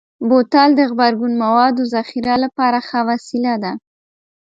بوتل د غبرګون موادو ذخیره لپاره ښه وسیله ده.